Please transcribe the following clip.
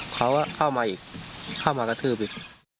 เขาก็เข้ามาอีกเข้ามากระทืบอีก